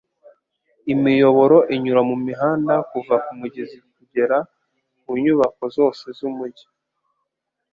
Imiyoboro inyura mumihanda kuva kumugezi kugera ku nyubako zose z'umujyi